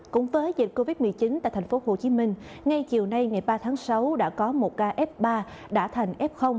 cũng với dịch covid một mươi chín tại thành phố hồ chí minh ngay chiều nay ngày ba tháng sáu đã có một ca f ba đã thành f